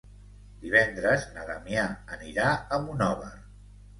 Divendres na Damià anirà a Monòver.